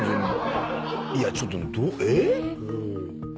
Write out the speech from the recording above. いやちょっとえっ？